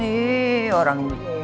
ih orang itu